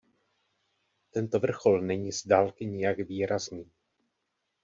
Tento vrchol není z dálky nijak výrazný.